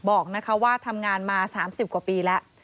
บอกว่าทำงานมา๓๐กว่าปีแล้ว